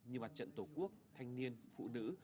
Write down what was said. như mặt trận tổ quốc thanh niên phụ nữ